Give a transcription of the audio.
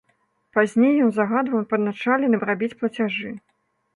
Пазней ён загадваў падначаленым рабіць плацяжы.